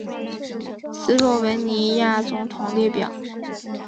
斯洛文尼亚总统列表